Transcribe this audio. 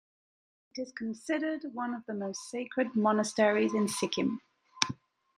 It is considered one of the most sacred monasteries in Sikkim.